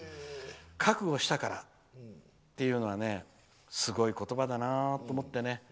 覚悟したからっていうのはねすごい言葉だなと思ってね。